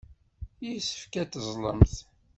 Yessefk ad teẓẓlemt.